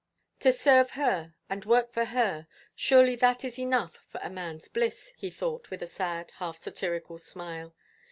"To serve her and work for her, surely that is enough for a man's bliss," he thought, with a sad, half satirical smile.